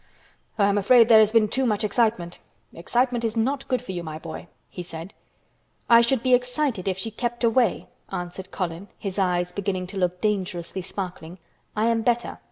"I am afraid there has been too much excitement. Excitement is not good for you, my boy," he said. "I should be excited if she kept away," answered Colin, his eyes beginning to look dangerously sparkling. "I am better.